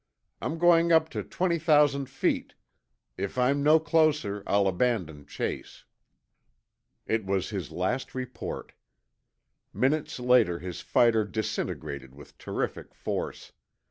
I'm going up to twenty thousand feet. If I'm no closer, I'll abandon chase." It was his last report. Minutes later, his fighter disintegrated with terrific force.